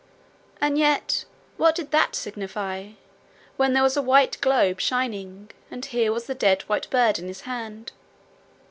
And yet what did that signify, when there was the white globe shining, and here was the dead white bird in his hand?